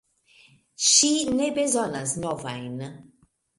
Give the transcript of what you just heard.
Ŝi ne bezonas novajn!